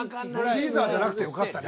シ―ザ―じゃなくてよかったね。